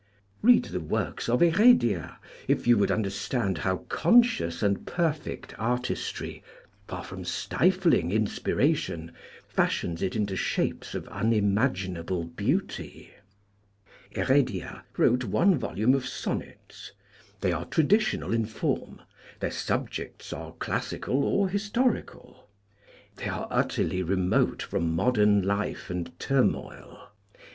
Read the works of Heredia if you would understand how conscious and perfect artistry, far from stifling inspiration, fashions it into shapes of unimaginable beauty. Heredia wrote one volume of sonnets. They are traditional in form. Their subjects are classical or historical. They are utterly remote from modern life and turmoil.